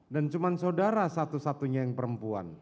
dan cuman saudara satu satunya yang perempuan